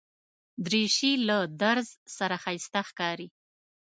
دریشي له درز سره ښایسته ښکاري.